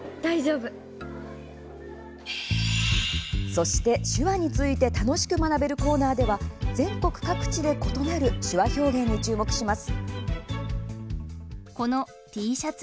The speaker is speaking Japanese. そして、手話について楽しく学べるコーナーでは全国各地で異なる手話表現に注目します。